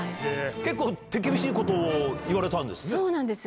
結構、手厳しいことを言われそうなんです。